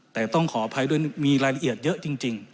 แต่ต้องขออภัยด้วยมีรายละเอียดเยอะจริง